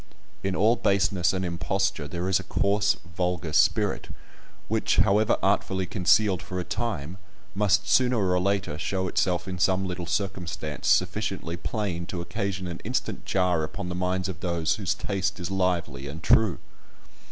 In all baseness and imposture there is a coarse, vulgar spirit, which, however artfully concealed for a time, must sooner or later show itself in some little circumstance sufficiently plain to occasion an instant jar upon the minds of those whose taste is lively and true.